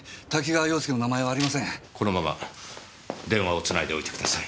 このまま電話をつないでおいてください。